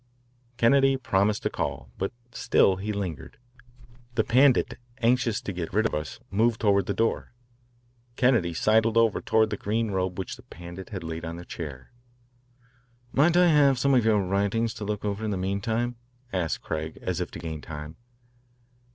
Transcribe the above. Kennedy promised to call, but still he lingered. The Pandit, anxious to get rid of us, moved toward the door. Kennedy sidled over toward the green robe which the Pandit had laid on a chair. "Might I have some of your writings to look over in the meantime?" asked Craig as if to gain time.